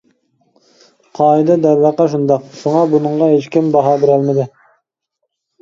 قائىدە دەرۋەقە شۇنداق، شۇڭا بۇنىڭغا ھېچكىم باھا بېرەلمىدى.